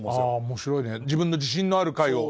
面白いね自分の自信のある回を。